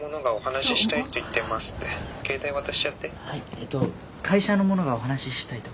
えっと会社の者がお話ししたいと。